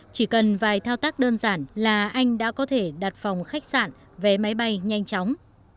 chỉ cần vài thao tác đơn giản là anh đã có thể đặt phòng khách sạn vé máy bay nhanh chóng